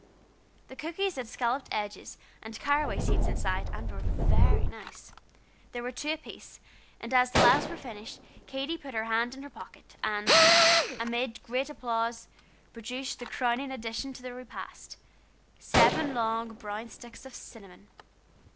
The cookies had scalloped edges and caraway seeds inside, and were very nice. There were two apiece; and as the last was finished, Katy put her hand in her pocket, and amid great applause, produced the crowning addition to the repast seven long, brown sticks of cinnamon.